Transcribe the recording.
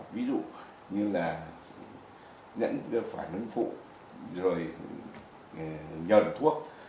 ví dụ như là nhẫn phản ứng phụ nhờ thuốc